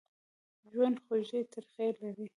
ژوند خوږې ترخې لري.